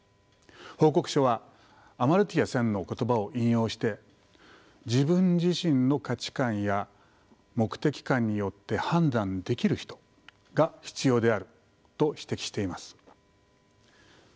報告書はアマルティア・センの言葉を引用して自分自身の価値観や目的観によって判断できる人が必要であると指摘しています。